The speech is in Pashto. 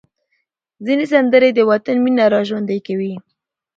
ځینې سندرې د وطن مینه راژوندۍ کوي.